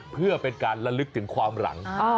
เพื่อเป็นการละลึกถึงความหลัง